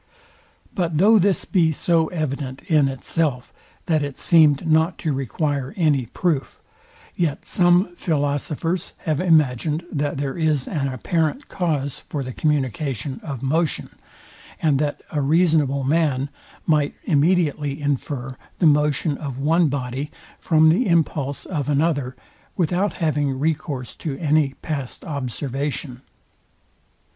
But though this be so evident in itself, that it seemed not to require any, proof; yet some philosophers have imagined that there is an apparent cause for the communication of motion, and that a reasonable man might immediately infer the motion of one body from the impulse of another, without having recourse to any past observation.